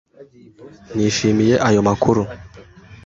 Nishimiye ayo makuru.